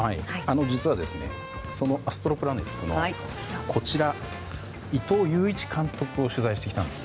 実はアストロプラネッツの伊藤悠一監督を取材してきたんです。